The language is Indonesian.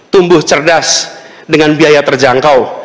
tumbuh cerdas dengan biaya terjangkau